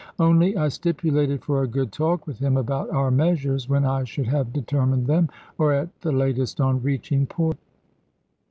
Only I stipulated for a good talk with him about our measures, when I should have determined them; or at the latest on reaching port.